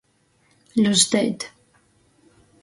Ļusteit.